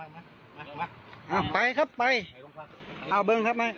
ไม่ต้องมีบัตรปราสอบบัตรอะไรน่ะ